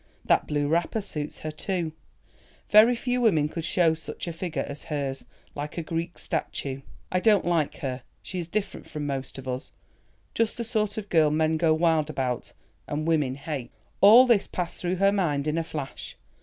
That blue wrapper suits her too. Very few women could show such a figure as hers—like a Greek statue. I don't like her; she is different from most of us; just the sort of girl men go wild about and women hate." All this passed through her mind in a flash.